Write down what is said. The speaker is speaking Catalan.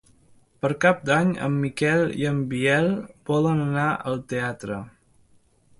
Per Cap d'Any en Miquel i en Biel volen anar al teatre.